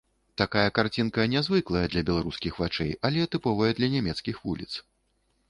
Такая карцінка нязвыклая для беларускіх вачэй, але тыповая для нямецкіх вуліц.